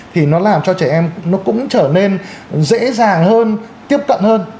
thì nó làm cho trẻ em nó cũng trở nên dễ dàng hơn tiếp cận hơn